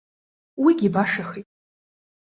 Уигьы башахеит.